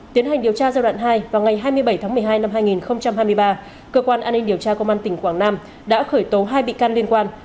tiến hành điều tra giai đoạn hai vào ngày hai mươi bảy tháng một mươi hai năm hai nghìn hai mươi ba cơ quan an ninh điều tra công an tỉnh quảng nam đã khởi tố hai bị can liên quan